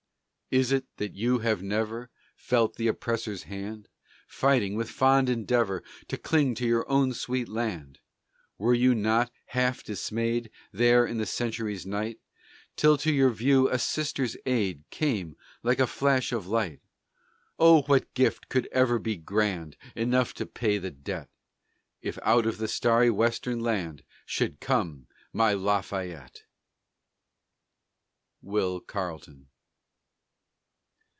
Is it that you have never Felt the oppressor's hand, Fighting, with fond endeavor, To cling to your own sweet land? Were you not half dismayed, There in the century's night, Till to your view a sister's aid Came, like a flash of light? Oh, what gift could ever be grand Enough to pay the debt, If out of the starry Western land, Should come my Lafayette! WILL CARLETON.